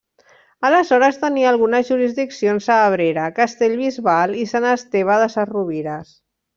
Aleshores tenia algunes jurisdiccions a Abrera, Castellbisbal i Sant Esteve de Sesrovires.